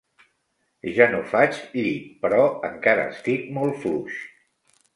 Ja no faig llit, però encara estic molt fluix.